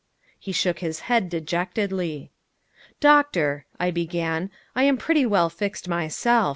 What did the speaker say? He shook his head dejectedly. "Doctor," I began again, "I am pretty well fixed myself.